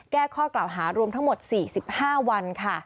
แก้ข้อกล่าวหารวมทั้งหมด๔๕วันค่ะ